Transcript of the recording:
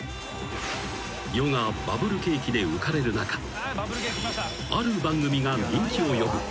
［世がバブル景気で浮かれる中ある番組が人気を呼ぶ。